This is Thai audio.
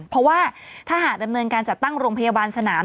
เพราะว่าถ้าหากดำเนินการจัดตั้งโรงพยาบาลสนาม